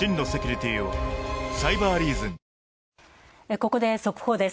ここで速報です。